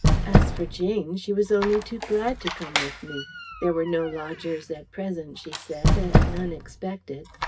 As for Jane, she was only too glad to come with me. There were no lodgers at present, she said; and none expected.